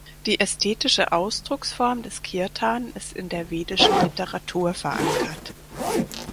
Die ästhetische Ausdrucksform des "kirtan" ist in der vedischen Literatur verankert.